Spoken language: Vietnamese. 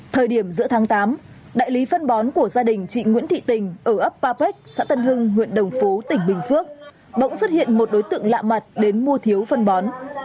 thời điểm giữa tháng tám đại lý phân bón của gia đình chị nguyễn thị tình ở ấp papec xã tân hưng huyện đồng phú tỉnh bình phước bỗng xuất hiện một đối tượng lạ mặt đến mua thiếu phân bó